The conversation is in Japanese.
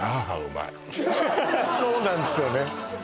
そうなんですよね